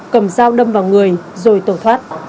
cầm dao đâm vào người rồi tổ thoát